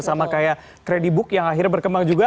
sama kayak credibook yang akhirnya berkembang juga